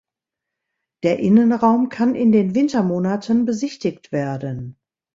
Der Innenraum kann in den Wintermonaten besichtigt werden.